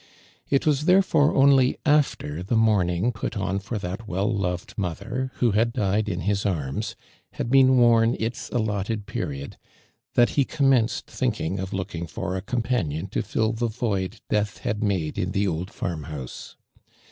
It was there fore only after the mourning put on for that well loved mother, who had died in his arms, had been worn its allotted period, that he commenced thinking of looking for a companion to fill the void death had made in the old farm house.